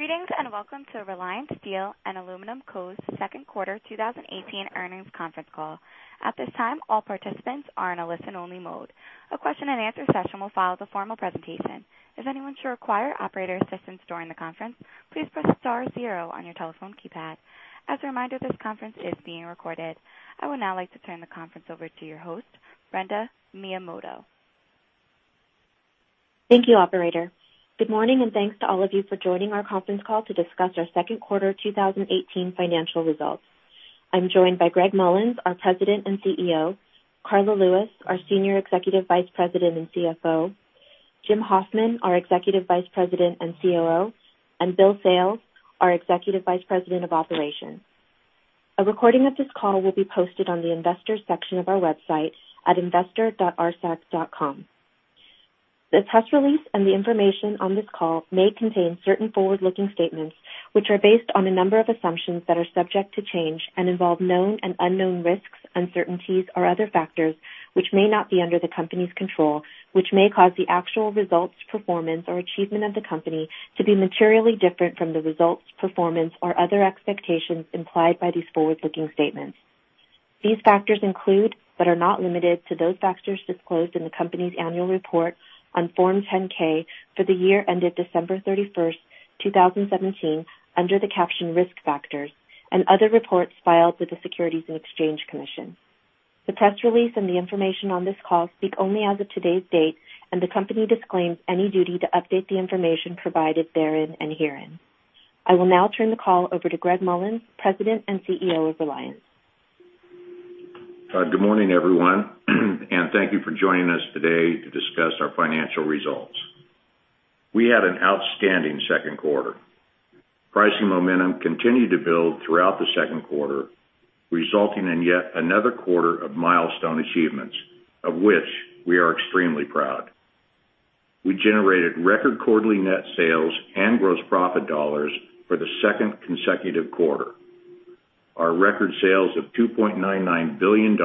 Greetings, and welcome to Reliance Steel & Aluminum Co.'s second quarter 2018 earnings conference call. At this time, all participants are in a listen-only mode. A question-and-answer session will follow the formal presentation. If anyone should require operator assistance during the conference, please press star zero on your telephone keypad. As a reminder, this conference is being recorded. I would now like to turn the conference over to your host, Brenda Miyamoto. Thank you, operator. Good morning, and thanks to all of you for joining our conference call to discuss our second quarter 2018 financial results. I'm joined by Gregg Mollins, our President and CEO, Karla Lewis, our Senior Executive Vice President and CFO, Jim Hoffman, our Executive Vice President and COO, and Bill Sales, our Executive Vice President of Operations. A recording of this call will be posted on the investors section of our website at investor.rsac.com. This press release and the information on this call may contain certain forward-looking statements, which are based on a number of assumptions that are subject to change and involve known and unknown risks, uncertainties, or other factors which may not be under the company's control, which may cause the actual results, performance, or achievement of the company to be materially different from the results, performance, or other expectations implied by these forward-looking statements. These factors include, but are not limited to, those factors disclosed in the company's annual report on Form 10-K for the year ended December 31st, 2017, under the caption Risk Factors, and other reports filed with the Securities and Exchange Commission. The press release and the information on this call speak only as of today's date, and the company disclaims any duty to update the information provided therein and herein. I will now turn the call over to Gregg Mollins, President and CEO of Reliance. Good morning, everyone, and thank you for joining us today to discuss our financial results. We had an outstanding second quarter. Pricing momentum continued to build throughout the second quarter, resulting in yet another quarter of milestone achievements, of which we are extremely proud. We generated record quarterly net sales and gross profit dollars for the second consecutive quarter. Our record sales of $2.99 billion,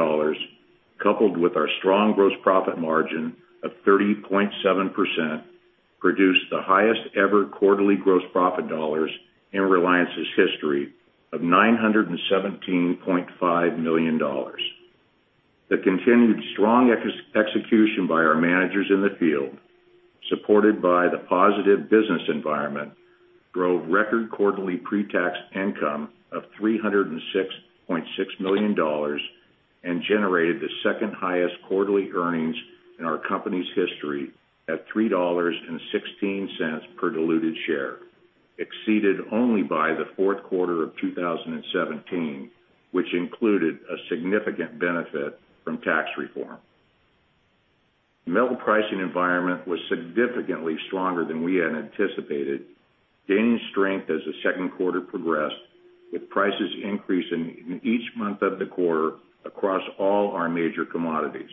coupled with our strong gross profit margin of 30.7%, produced the highest-ever quarterly gross profit dollars in Reliance's history of $917.5 million. The continued strong execution by our managers in the field, supported by the positive business environment, drove record quarterly pre-tax income of $306.6 million and generated the second highest quarterly earnings in our company's history at $3.16 per diluted share, exceeded only by the fourth quarter of 2017, which included a significant benefit from tax reform. The metal pricing environment was significantly stronger than we had anticipated, gaining strength as the second quarter progressed, with prices increasing in each month of the quarter across all our major commodities.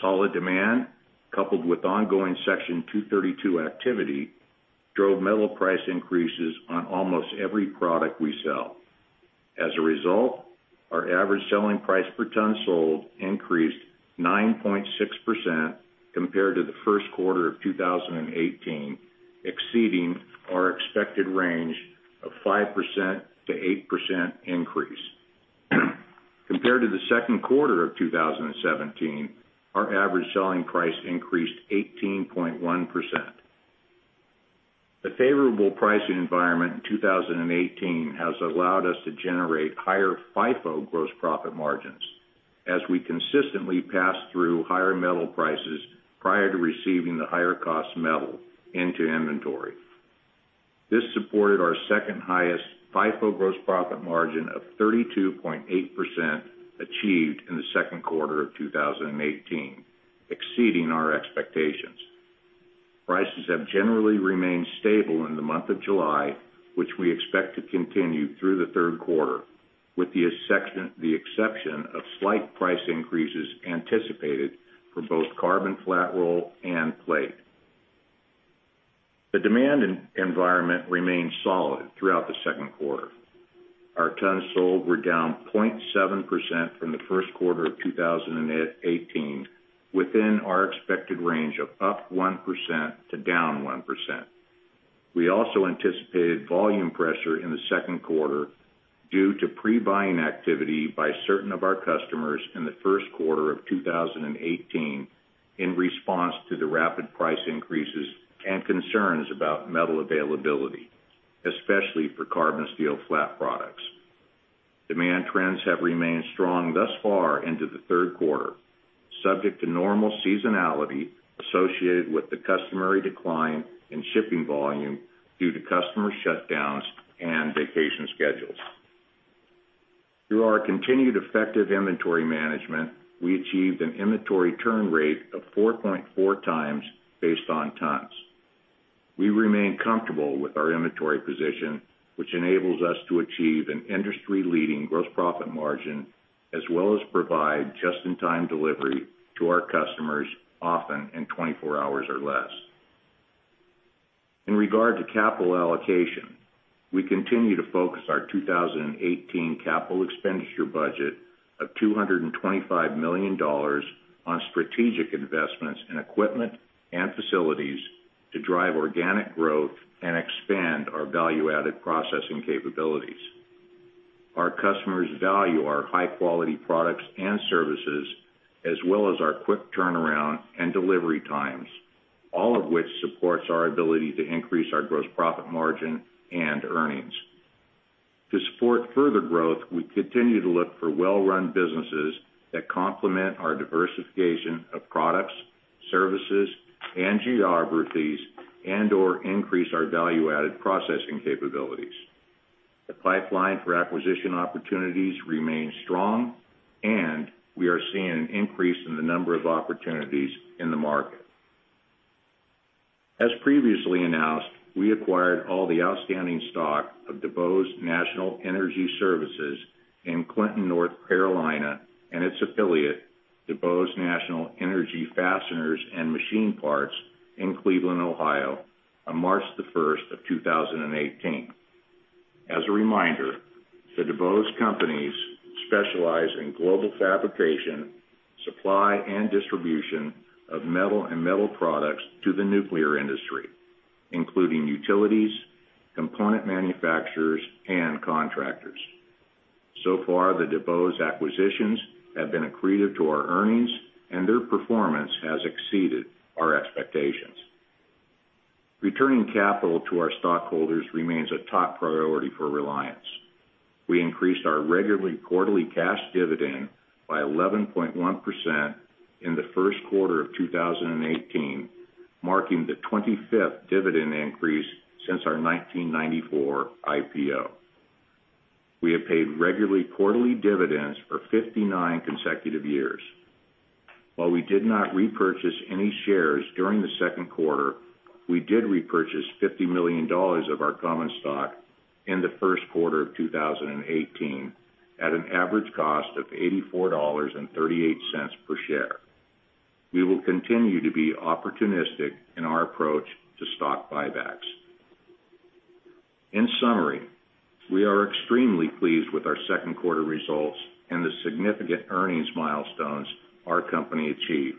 Solid demand, coupled with ongoing Section 232 activity, drove metal price increases on almost every product we sell. As a result, our average selling price per ton sold increased 9.6% compared to the first quarter of 2018, exceeding our expected range of 5%-8% increase. Compared to the second quarter of 2017, our average selling price increased 18.1%. The favorable pricing environment in 2018 has allowed us to generate higher FIFO gross profit margins as we consistently pass through higher metal prices prior to receiving the higher-cost metal into inventory. This supported our second-highest FIFO gross profit margin of 32.8% achieved in the second quarter of 2018, exceeding our expectations. Prices have generally remained stable in the month of July, which we expect to continue through the third quarter, with the exception of slight price increases anticipated for both carbon flat roll and plate. The demand environment remained solid throughout the second quarter. Our tons sold were down 0.7% from the first quarter of 2018, within our expected range of up 1% to down 1%. We also anticipated volume pressure in the second quarter due to pre-buying activity by certain of our customers in the first quarter of 2018 in response to the rapid price increases and concerns about metal availability, especially for carbon steel flat products. Demand trends have remained strong thus far into the third quarter, subject to normal seasonality associated with the customary decline in shipping volume due to customer shutdowns and vacation schedules. Through our continued effective inventory management, we achieved an inventory turn rate of 4.4 times based on tons. We remain comfortable with our inventory position, which enables us to achieve an industry-leading gross profit margin, as well as provide just-in-time delivery to our customers, often in 24 hours or less. In regard to capital allocation, we continue to focus our 2018 capital expenditure budget of $225 million on strategic investments in equipment and facilities to drive organic growth and expand our value-added processing capabilities. Our customers value our high-quality products and services, as well as our quick turnaround and delivery times, all of which supports our ability to increase our gross profit margin and earnings. To support further growth, we continue to look for well-run businesses that complement our diversification of products, services, and geographies, and/or increase our value-added processing capabilities. The pipeline for acquisition opportunities remains strong, and we are seeing an increase in the number of opportunities in the market. As previously announced, we acquired all the outstanding stock of DuBose National Energy Services in Clinton, North Carolina, and its affiliate, DuBose National Energy Fasteners & Machined Parts in Cleveland, Ohio, on March the 1st of 2018. As a reminder, the DuBose companies specialize in global fabrication, supply, and distribution of metal and metal products to the nuclear industry, including utilities, component manufacturers, and contractors. So far, the DuBose acquisitions have been accretive to our earnings, and their performance has exceeded our expectations. Returning capital to our stockholders remains a top priority for Reliance. We increased our regularly quarterly cash dividend by 11.1% in the first quarter of 2018, marking the 25th dividend increase since our 1994 IPO. We have paid regularly quarterly dividends for 59 consecutive years. While we did not repurchase any shares during the second quarter, we did repurchase $50 million of our common stock in the first quarter of 2018 at an average cost of $84.38 per share. We will continue to be opportunistic in our approach to stock buybacks. In summary, we are extremely pleased with our second quarter results and the significant earnings milestones our company achieved.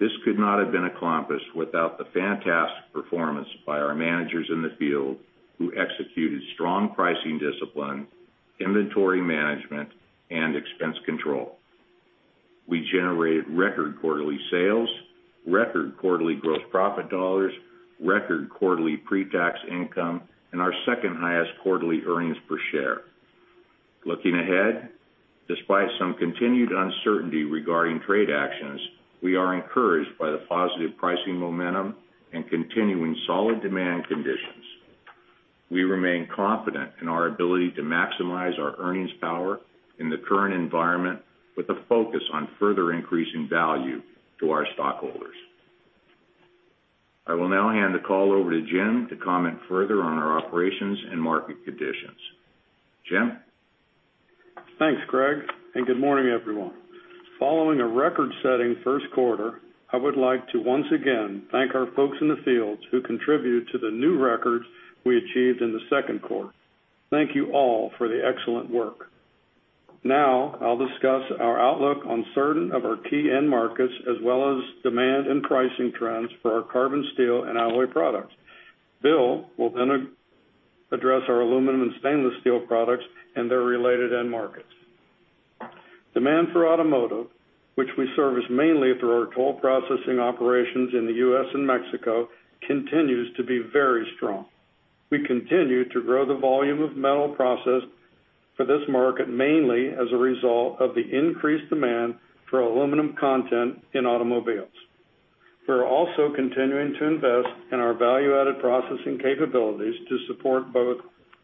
This could not have been accomplished without the fantastic performance by our managers in the field who executed strong pricing discipline, inventory management, and expense control. We generated record quarterly sales, record quarterly gross profit dollars, record quarterly pre-tax income, and our second-highest quarterly earnings per share. Looking ahead, despite some continued uncertainty regarding trade actions, we are encouraged by the positive pricing momentum and continuing solid demand conditions. We remain confident in our ability to maximize our earnings power in the current environment with a focus on further increasing value to our stockholders. I will now hand the call over to Jim to comment further on our operations and market conditions. Jim? Thanks, Gregg. Good morning, everyone. Following a record-setting first quarter, I would like to once again thank our folks in the field who contributed to the new records we achieved in the second quarter. Thank you all for the excellent work. Now, I'll discuss our outlook on certain of our key end markets, as well as demand and pricing trends for our carbon steel and alloy products. Bill will then address our aluminum and stainless steel products and their related end markets. Demand for automotive, which we service mainly through our toll processing operations in the U.S. and Mexico, continues to be very strong. We continue to grow the volume of metal processed for this market, mainly as a result of the increased demand for aluminum content in automobiles. We are also continuing to invest in our value-added processing capabilities to support both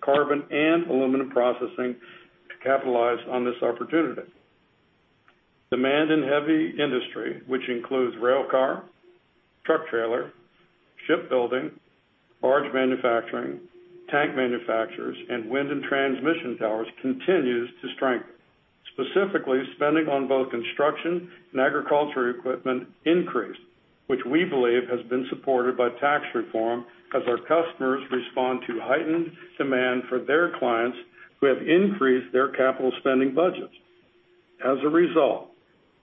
carbon and aluminum processing to capitalize on this opportunity. Demand in heavy industry, which includes railcar, truck trailer, shipbuilding, large manufacturing, tank manufacturers, and wind and transmission towers, continues to strengthen. Specifically, spending on both construction and agriculture equipment increased, which we believe has been supported by tax reform as our customers respond to heightened demand for their clients who have increased their capital spending budgets. As a result,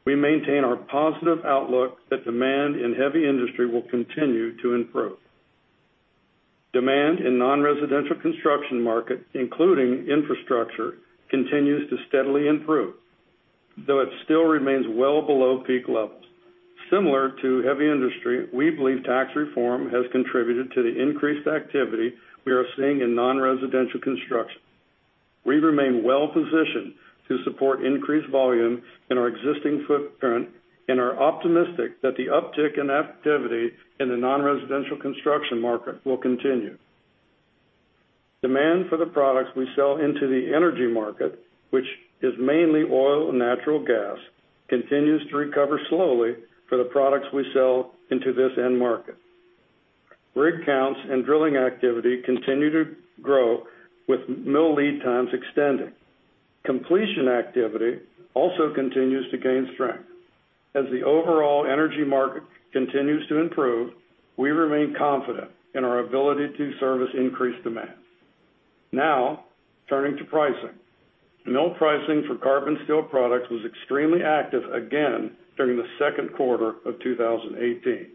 we maintain our positive outlook that demand in heavy industry will continue to improve. Demand in non-residential construction market, including infrastructure, continues to steadily improve, though it still remains well below peak levels. Similar to heavy industry, we believe tax reform has contributed to the increased activity we are seeing in non-residential construction. We remain well positioned to support increased volume in our existing footprint and are optimistic that the uptick in activity in the non-residential construction market will continue. Demand for the products we sell into the energy market, which is mainly oil and natural gas, continues to recover slowly for the products we sell into this end market. Rig counts and drilling activity continue to grow with mill lead times extending. Completion activity also continues to gain strength. As the overall energy market continues to improve, we remain confident in our ability to service increased demand. Now, turning to pricing. Mill pricing for carbon steel products was extremely active again during the second quarter of 2018.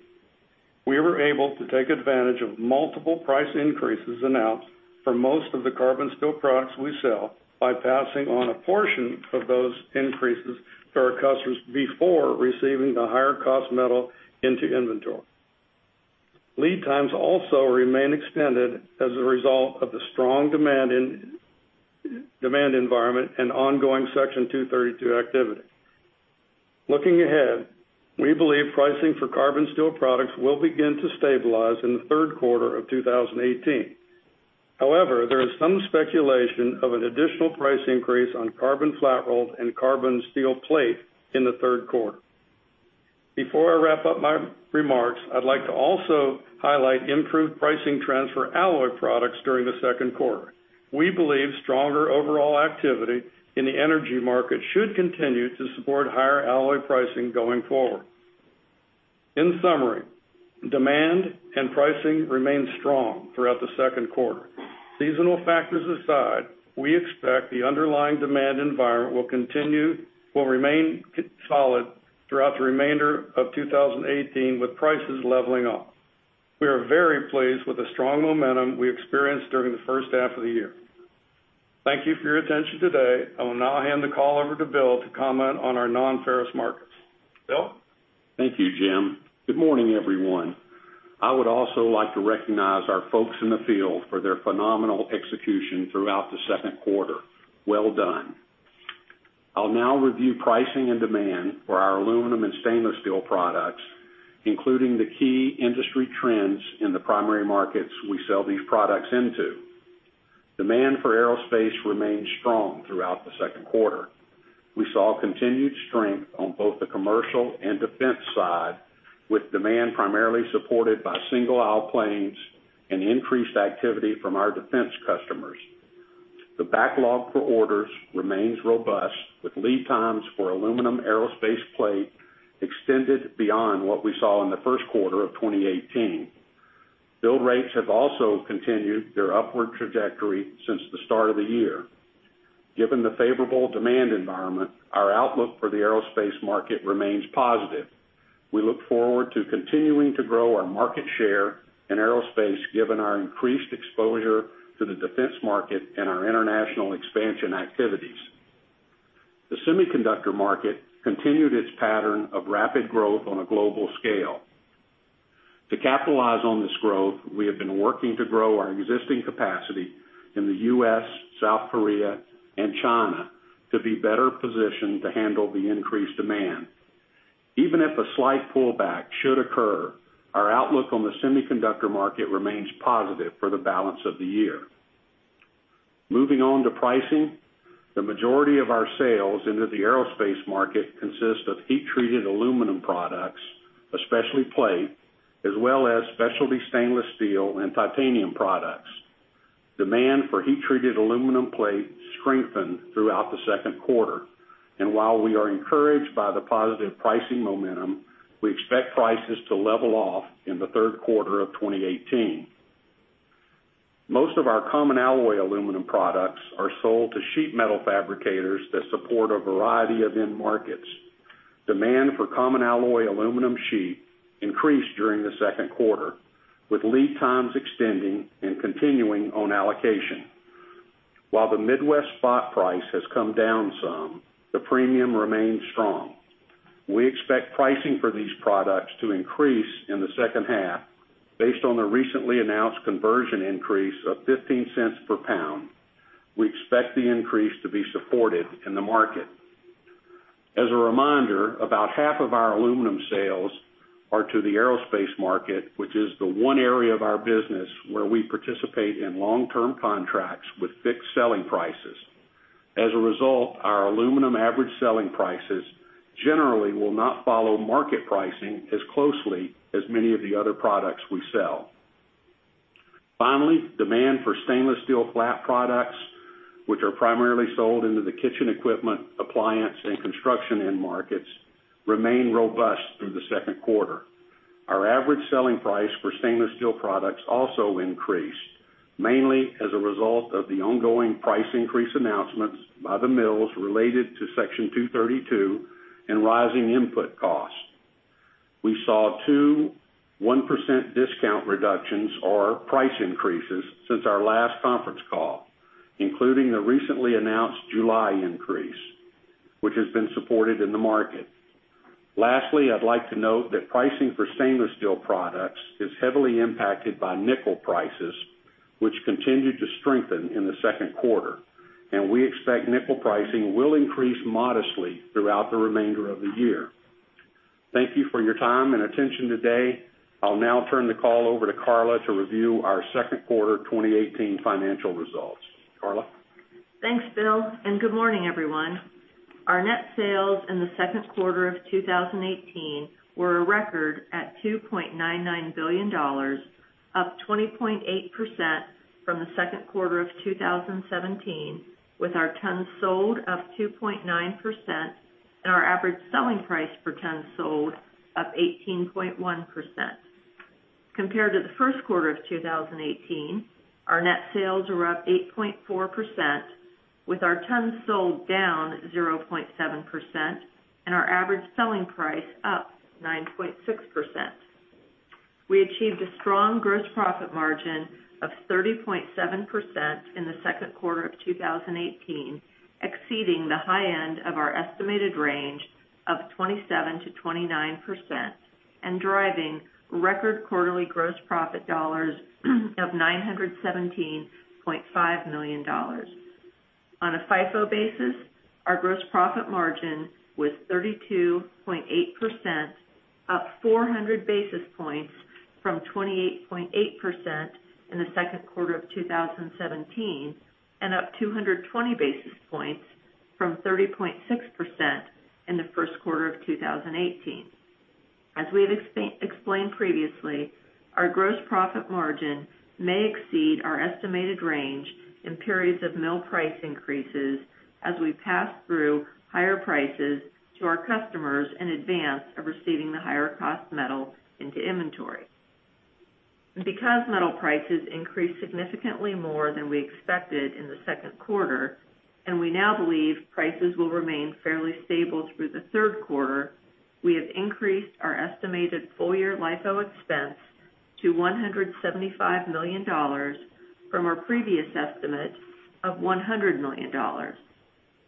We were able to take advantage of multiple price increases announced for most of the carbon steel products we sell by passing on a portion of those increases to our customers before receiving the higher cost metal into inventory. Lead times also remain extended as a result of the strong demand environment and ongoing Section 232 activity. Looking ahead, we believe pricing for carbon steel products will begin to stabilize in the third quarter of 2018. However, there is some speculation of an additional price increase on carbon flat roll and carbon steel plate in the third quarter. Before I wrap up my remarks, I'd like to also highlight improved pricing trends for alloy products during the second quarter. We believe stronger overall activity in the energy market should continue to support higher alloy pricing going forward. In summary, demand and pricing remained strong throughout the second quarter. Seasonal factors aside, we expect the underlying demand environment will remain solid throughout the remainder of 2018, with prices leveling off. We are very pleased with the strong momentum we experienced during the first half of the year. Thank you for your attention today. I will now hand the call over to Bill to comment on our nonferrous markets. Bill? Thank you, Jim. Good morning, everyone. I would also like to recognize our folks in the field for their phenomenal execution throughout the second quarter. Well done. I'll now review pricing and demand for our aluminum and stainless steel products, including the key industry trends in the primary markets we sell these products into. Demand for aerospace remained strong throughout the second quarter. We saw continued strength on both the commercial and defense side, with demand primarily supported by single-aisle planes and increased activity from our defense customers. The backlog for orders remains robust, with lead times for aluminum aerospace plate extended beyond what we saw in the first quarter of 2018. Build rates have also continued their upward trajectory since the start of the year. Given the favorable demand environment, our outlook for the aerospace market remains positive. We look forward to continuing to grow our market share in aerospace, given our increased exposure to the defense market and our international expansion activities. The semiconductor market continued its pattern of rapid growth on a global scale. To capitalize on this growth, we have been working to grow our existing capacity in the U.S., South Korea, and China to be better positioned to handle the increased demand. Even if a slight pullback should occur, our outlook on the semiconductor market remains positive for the balance of the year. Moving on to pricing, the majority of our sales into the aerospace market consist of heat-treated aluminum products, especially plate, as well as specialty stainless steel and titanium products. Demand for heat-treated aluminum plate strengthened throughout the second quarter, and while we are encouraged by the positive pricing momentum, we expect prices to level off in the third quarter of 2018. Most of our common alloy aluminum products are sold to sheet metal fabricators that support a variety of end markets. Demand for common alloy aluminum sheet increased during the second quarter, with lead times extending and continuing on allocation. While the Midwest spot price has come down some, the premium remains strong. We expect pricing for these products to increase in the second half, based on the recently announced conversion increase of $0.15 per pound. We expect the increase to be supported in the market. As a reminder, about half of our aluminum sales are to the aerospace market, which is the one area of our business where we participate in long-term contracts with fixed selling prices. As a result, our aluminum average selling prices generally will not follow market pricing as closely as many of the other products we sell. Finally, demand for stainless steel flat products, which are primarily sold into the kitchen equipment, appliance, and construction end markets, remained robust through the second quarter. Our average selling price for stainless steel products also increased, mainly as a result of the ongoing price increase announcements by the mills related to Section 232 and rising input costs. We saw two 1% discount reductions or price increases since our last conference call, including the recently announced July increase, which has been supported in the market. Lastly, I'd like to note that pricing for stainless steel products is heavily impacted by nickel prices, which continued to strengthen in the second quarter. We expect nickel pricing will increase modestly throughout the remainder of the year. Thank you for your time and attention today. I'll now turn the call over to Karla to review our second quarter 2018 financial results. Karla? Thanks, Bill. Good morning, everyone. Our net sales in the second quarter of 2018 were a record at $2.99 billion, up 20.8% from the second quarter of 2017, with our tons sold up 2.9% and our average selling price per ton sold up 18.1%. Compared to the first quarter of 2018, our net sales were up 8.4%, with our tons sold down 0.7% and our average selling price up 9.6%. We achieved a strong gross profit margin of 30.7% in the second quarter of 2018, exceeding the high end of our estimated range of 27%-29% and driving record quarterly gross profit dollars of $917.5 million. On a FIFO basis, our gross profit margin was 32.8%, up 400 basis points from 28.8% in the second quarter of 2017 and up 220 basis points from 30.6% in the first quarter of 2018. As we have explained previously, our gross profit margin may exceed our estimated range in periods of mill price increases as we pass through higher prices to our customers in advance of receiving the higher cost metal into inventory. Because metal prices increased significantly more than we expected in the second quarter, and we now believe prices will remain fairly stable through the third quarter, we have increased our estimated full-year LIFO expense to $175 million from our previous estimate of $100 million.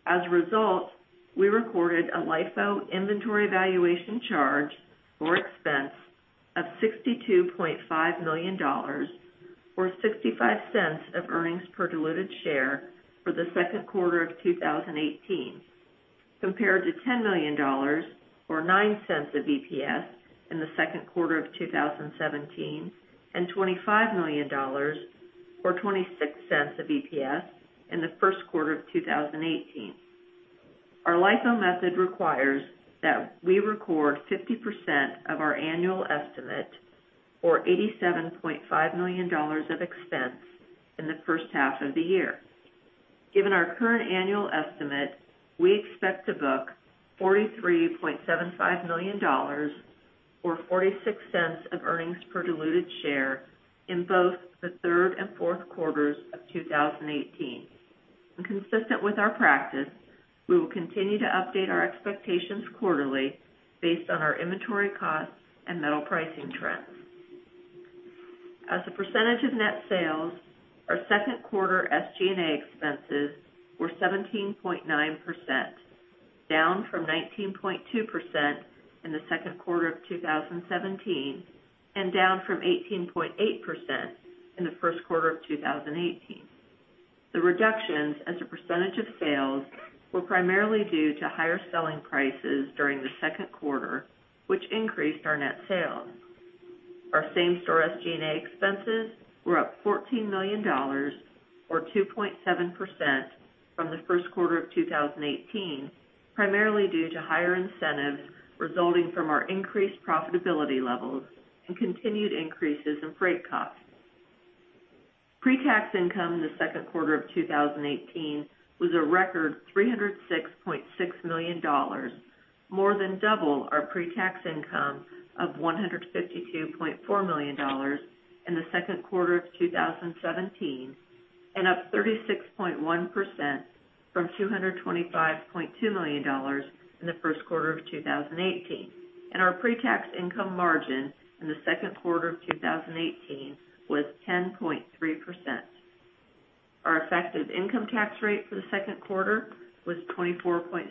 As a result, we recorded a LIFO inventory valuation charge or expense of $62.5 million or $0.65 of earnings per diluted share for the second quarter of 2018, compared to $10 million or $0.09 of EPS in the second quarter of 2017 and $25 million or $0.26 of EPS in the first quarter of 2018. Our LIFO method requires that we record 50% of our annual estimate or $87.5 million of expense in the first half of the year. Given our current annual estimate, we expect to book $43.75 million or $0.46 of earnings per diluted share in both the third and fourth quarters of 2018. Consistent with our practice, we will continue to update our expectations quarterly based on our inventory costs and metal pricing trends. As a percentage of net sales, our second quarter SG&A expenses were 17.9%, down from 19.2% in the second quarter of 2017 and down from 18.8% in the first quarter of 2018. The reductions as a percentage of sales were primarily due to higher selling prices during the second quarter, which increased our net sales. Our same-store SG&A expenses were up $14 million or 2.7% from the first quarter of 2018, primarily due to higher incentives resulting from our increased profitability levels and continued increases in freight costs. Pre-tax income in the second quarter of 2018 was a record $306.6 million, more than double our pre-tax income of $152.4 million in the second quarter of 2017 and up 36.1% from $225.2 million in the first quarter of 2018. Our pre-tax income margin in the second quarter of 2018 was 10.3%. Our effective income tax rate for the second quarter was 24.0%,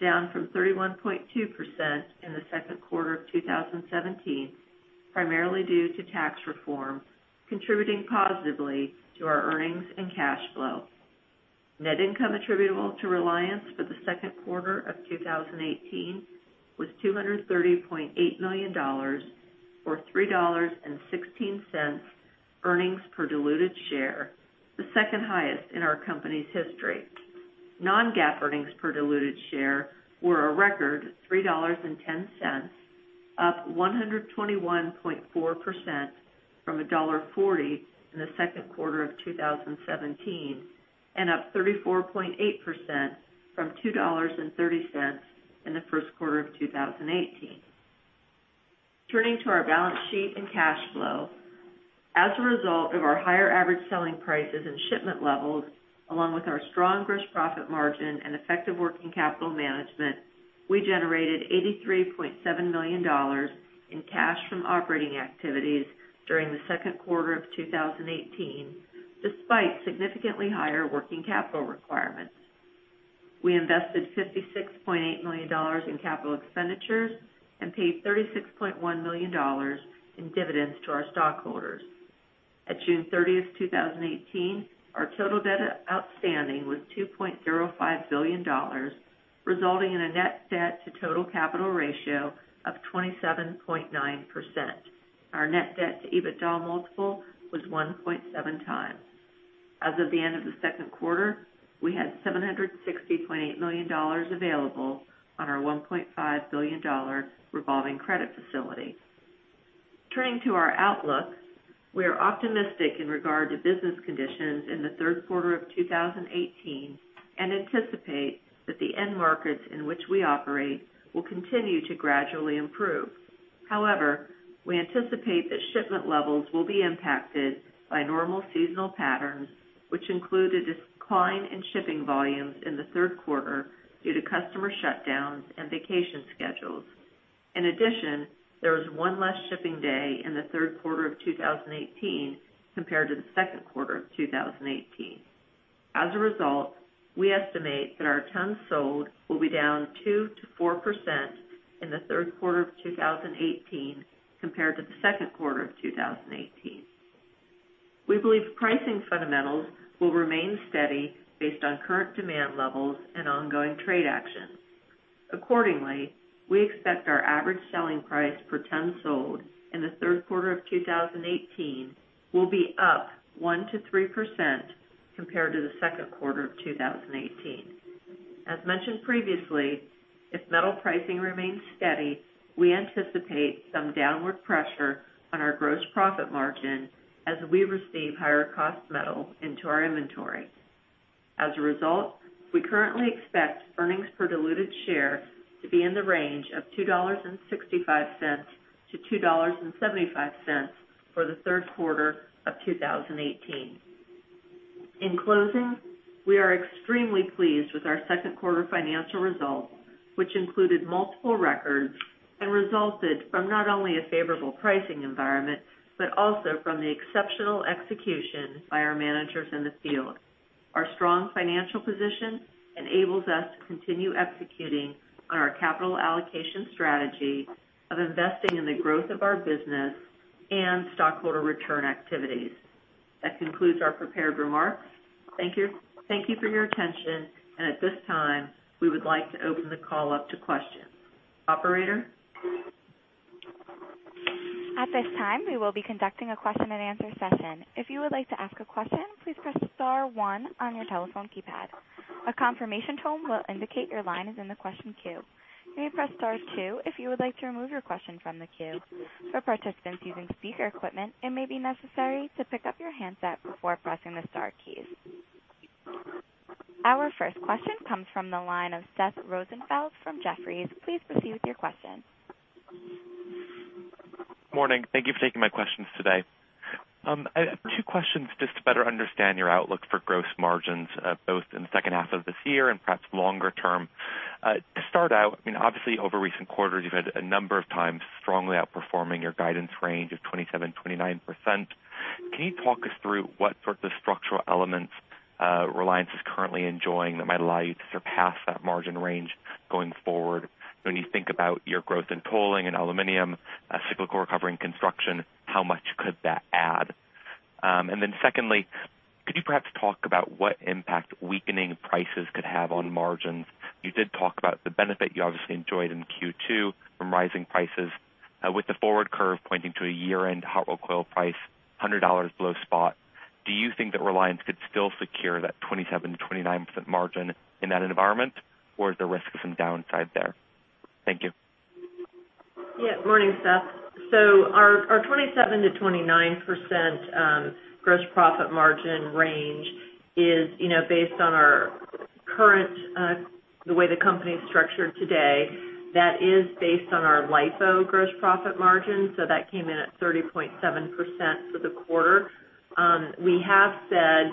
down from 31.2% in the second quarter of 2017, primarily due to tax reform contributing positively to our earnings and cash flow. Net income attributable to Reliance for the second quarter of 2018 was $230.8 million or $3.16 earnings per diluted share, the second highest in our company's history. Non-GAAP earnings per diluted share were a record $3.10, up 121.4% from $1.40 in the second quarter of 2017 and up 34.8% from $2.30 in the first quarter of 2018. Turning to our balance sheet and cash flow. As a result of our higher average selling prices and shipment levels, along with our strong gross profit margin and effective working capital management, we generated $83.7 million in cash from operating activities during the second quarter of 2018, despite significantly higher working capital requirements. We invested $56.8 million in capital expenditures and paid $36.1 million in dividends to our stockholders. At June 30th, 2018, our total debt outstanding was $2.05 billion, resulting in a net debt to total capital ratio of 27.9%. Our net debt to EBITDA multiple was 1.7 times. As of the end of the second quarter, we had $760.8 million available on our $1.5 billion revolving credit facility. Turning to our outlook. We are optimistic in regard to business conditions in the third quarter of 2018, and anticipate that the end markets in which we operate will continue to gradually improve. However, we anticipate that shipment levels will be impacted by normal seasonal patterns, which include a decline in shipping volumes in the third quarter due to customer shutdowns and vacation schedules. In addition, there is one less shipping day in the third quarter of 2018 compared to the second quarter of 2018. As a result, we estimate that our tons sold will be down 2%-4% in the third quarter of 2018 compared to the second quarter of 2018. We believe pricing fundamentals will remain steady based on current demand levels and ongoing trade actions. Accordingly, we expect our average selling price per ton sold in the third quarter of 2018 will be up 1%-3% compared to the second quarter of 2018. As mentioned previously, if metal pricing remains steady, we anticipate some downward pressure on our gross profit margin as we receive higher cost metal into our inventory. As a result, we currently expect earnings per diluted share to be in the range of $2.65-$2.75 for the third quarter of 2018. In closing, we are extremely pleased with our second quarter financial results, which included multiple records and resulted from not only a favorable pricing environment, but also from the exceptional execution by our managers in the field. Our strong financial position enables us to continue executing on our capital allocation strategy of investing in the growth of our business and stockholder return activities. That concludes our prepared remarks. Thank you for your attention. At this time, we would like to open the call up to questions. Operator? At this time, we will be conducting a question and answer session. If you would like to ask a question, please press star one on your telephone keypad. A confirmation tone will indicate your line is in the question queue. You may press star two if you would like to remove your question from the queue. For participants using speaker equipment, it may be necessary to pick up your handset before pressing the star keys. Our first question comes from the line of Seth Rosenfeld from Jefferies. Please proceed with your question. Morning. Thank you for taking my questions today. I have two questions just to better understand your outlook for gross margins, both in the second half of this year and perhaps longer term. Obviously over recent quarters you've had a number of times strongly outperforming your guidance range of 27%-29%. Can you talk us through what sorts of structural elements Reliance is currently enjoying that might allow you to surpass that margin range going forward? When you think about your growth in tolling and aluminum, cyclical recovering construction, how much could that add? Secondly, could you perhaps talk about what impact weakening prices could have on margins? You did talk about the benefit you obviously enjoyed in Q2 from rising prices. With the forward curve pointing to a year-end hot rolled coil price $100 below spot, do you think that Reliance could still secure that 27%-29% margin in that environment, or is there risk of some downside there? Thank you. Yeah, morning, Seth. Our 27%-29% gross profit margin range is based on the way the company is structured today. That is based on our LIFO gross profit margin. That came in at 30.7% for the quarter. We have said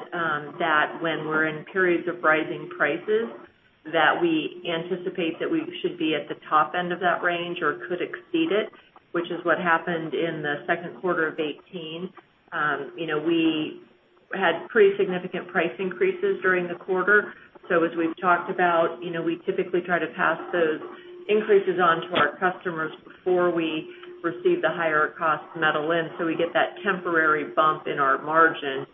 that when we're in periods of rising prices, that we anticipate that we should be at the top end of that range or could exceed it, which is what happened in Q2 2018. We had pretty significant price increases during the quarter. As we've talked about, we typically try to pass those increases on to our customers before we receive the higher cost metal in, so we get that temporary bump in our margin.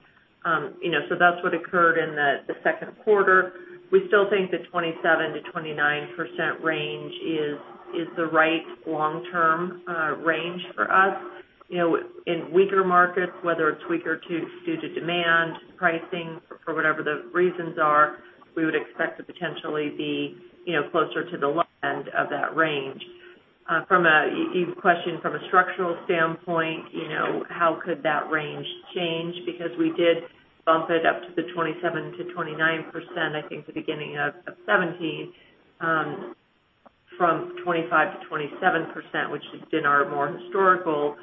That's what occurred in the second quarter. We still think the 27%-29% range is the right long-term range for us. In weaker markets, whether it's weaker due to demand, pricing, or whatever the reasons are, we would expect to potentially be closer to the low end of that range. You questioned from a structural standpoint, how could that range change? We did bump it up to the 27%-29%, I think the beginning of 2017, from 25%-27%, which has been our more historical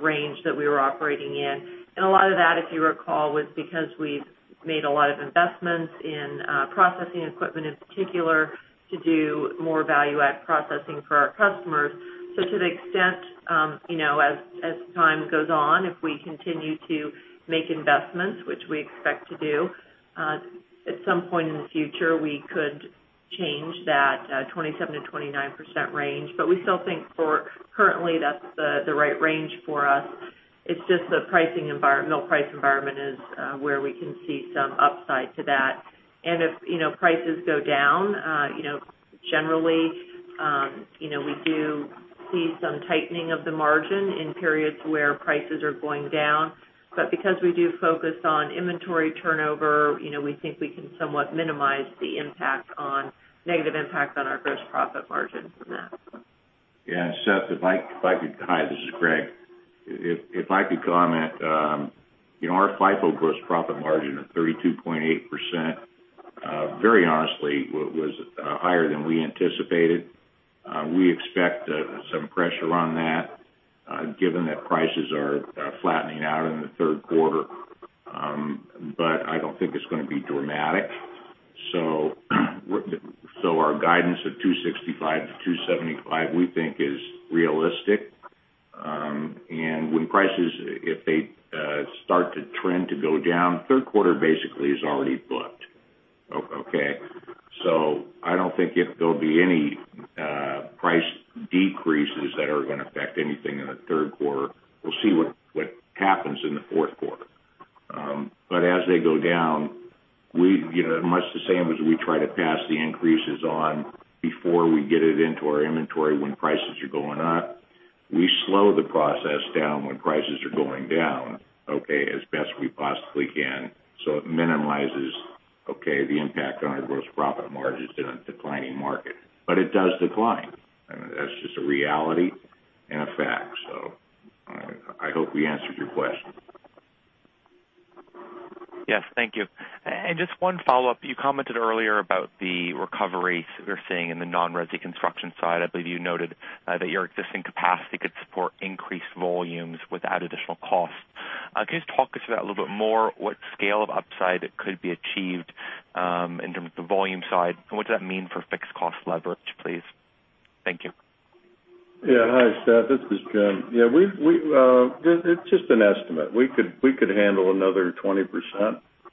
range that we were operating in. A lot of that, if you recall, was because we've made a lot of investments in processing equipment in particular to do more value add processing for our customers. To the extent, as time goes on, if we continue to make investments, which we expect to do, at some point in the future, we could change that 27%-29% range. We still think for currently that's the right range for us. It's just the price environment is where we can see some upside to that. If prices go down, generally we do see some tightening of the margin in periods where prices are going down. Because we do focus on inventory turnover, we think we can somewhat minimize the negative impact on our gross profit margin from that. Yeah, Seth, if I could. Hi, this is Gregg. If I could comment. Our FIFO gross profit margin of 32.8%, very honestly, was higher than we anticipated. We expect some pressure on that given that prices are flattening out in the third quarter. I don't think it's going to be dramatic. Our guidance of $2.65-$2.75 we think is realistic. When prices, if they start to trend to go down, third quarter basically is already booked. Okay. I don't think there'll be any price decreases that are going to affect anything in the third quarter. We'll see what happens in the fourth quarter. As they go down, much the same as we try to pass the increases on before we get it into our inventory when prices are going up, we slow the process down when prices are going down, okay, as best we possibly can. It minimizes, okay, the impact on our gross profit margins in a declining market. It does decline. That's just a reality and a fact. I hope we answered your question. Yes, thank you. Just one follow-up. You commented earlier about the recoveries you're seeing in the non-resi construction side. I believe you noted that your existing capacity could support increased volumes without additional cost. Can you just talk us through that a little bit more? What scale of upside could be achieved in terms of the volume side, and what does that mean for fixed cost leverage, please? Thank you. Hi, Seth, this is Jim. It's just an estimate. We could handle another 20%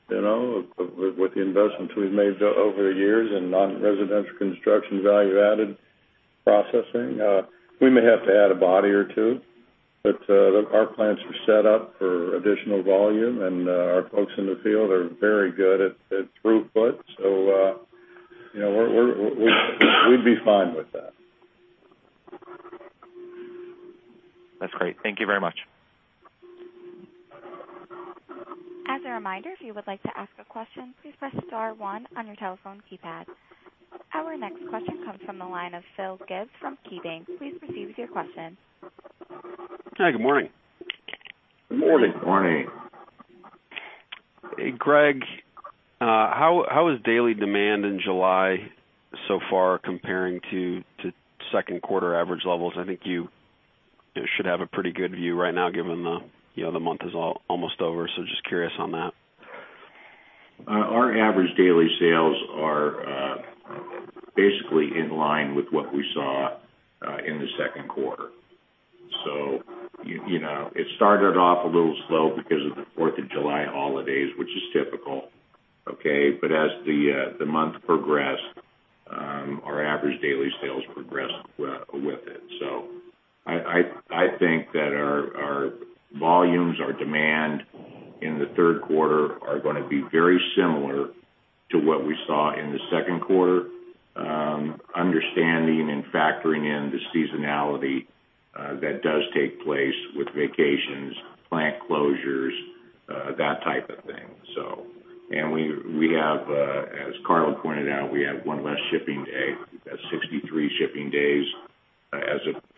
with the investments we've made over the years in non-residential construction value-added processing. We may have to add a body or two, but our plants are set up for additional volume, and our folks in the field are very good at throughput. We'd be fine with that. That's great. Thank you very much. As a reminder, if you would like to ask a question, please press star one on your telephone keypad. Our next question comes from the line of Philip Gibbs from KeyBanc. Please proceed with your question. Hi, good morning. Good morning. Morning. Hey, Gregg Mollins, how is daily demand in July so far comparing to second quarter average levels? I think you should have a pretty good view right now given the month is almost over. Just curious on that. Our average daily sales are basically in line with what we saw in the second quarter. It started off a little slow because of the Fourth of July holidays, which is typical. Okay. As the month progressed, our average daily sales progressed with it. I think that our volumes, our demand in the third quarter are going to be very similar to what we saw in the second quarter, understanding and factoring in the seasonality that does take place with vacations, plant closures, that type of thing. As Karla Lewis pointed out, we have one less shipping day. We've got 63 shipping days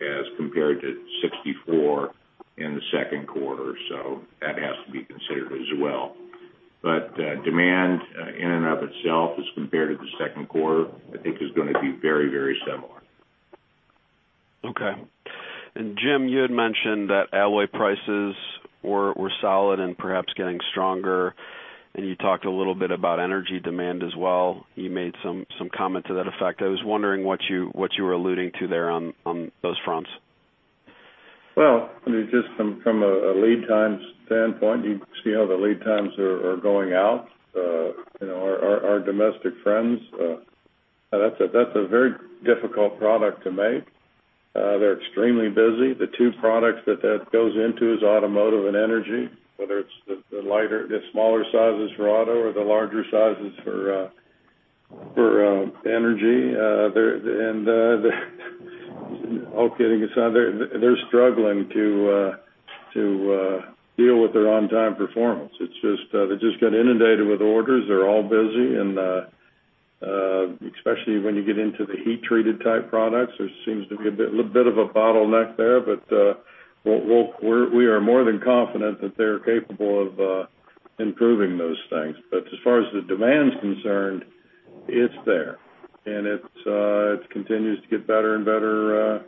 as compared to 64 in the second quarter, so that has to be considered as well. Demand in and of itself as compared to the second quarter, I think is going to be very, very similar. Okay. James Hoffman, you had mentioned that alloy prices were solid and perhaps getting stronger, and you talked a little bit about energy demand as well. You made some comment to that effect. I was wondering what you were alluding to there on those fronts. Just from a lead times standpoint, you see how the lead times are going out. Our domestic friends, that's a very difficult product to make. They're extremely busy. The two products that that goes into is automotive and energy, whether it's the smaller sizes for auto or the larger sizes for energy. All kidding aside, they're struggling to deal with their on-time performance. They just got inundated with orders. They're all busy, especially when you get into the heat-treated type products, there seems to be a bit of a bottleneck there. We are more than confident that they're capable of improving those things. As far as the demand's concerned, it's there, and it continues to get better and better,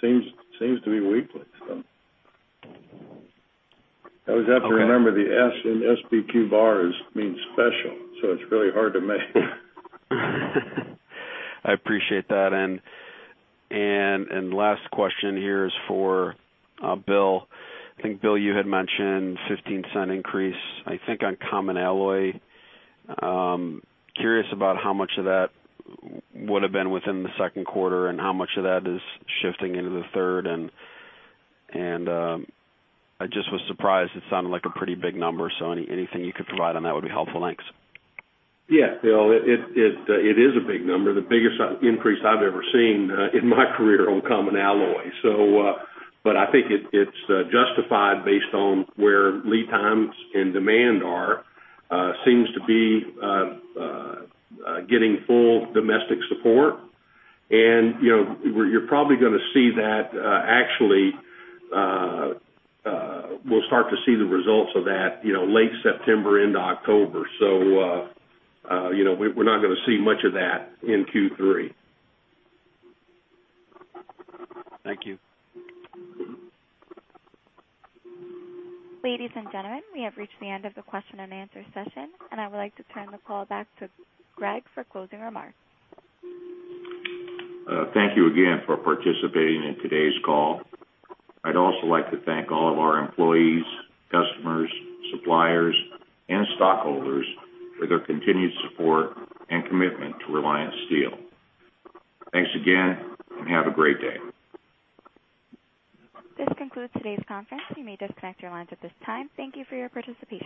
seems to be weekly. Always have to remember the S in SBQ bars means special, so it's really hard to make. I appreciate that. Last question here is for Bill. Bill, you had mentioned $0.15 increase, I think, on common alloy. Curious about how much of that would've been within the second quarter and how much of that is shifting into the third. I just was surprised. It sounded like a pretty big number. Anything you could provide on that would be helpful. Thanks. No, it is a big number, the biggest increase I've ever seen in my career on common alloy. I think it's justified based on where lead times and demand are. Seems to be getting full domestic support. You're probably going to see that, actually, we'll start to see the results of that late September into October. We're not going to see much of that in Q3. Thank you. Ladies and gentlemen, we have reached the end of the question and answer session, and I would like to turn the call back to Gregg for closing remarks. Thank you again for participating in today's call. I'd also like to thank all of our employees, customers, suppliers, and stockholders for their continued support and commitment to Reliance Steel. Thanks again, and have a great day. This concludes today's conference. You may disconnect your lines at this time. Thank you for your participation.